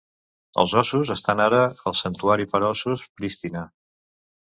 Els óssos estan ara al Santuari per a óssos Prishtina.